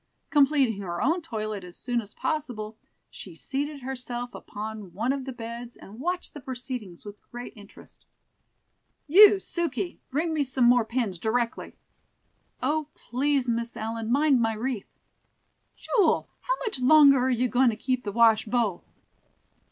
Completing her own toilet as soon as possible, she seated herself upon one of the beds, and watched the proceedings with great interest. "You Suke, bring me some more pins, directly." "O please, Miss Ellen, mind my wreath!" "Jule, how much longer are you goin' to keep the wash bowl?"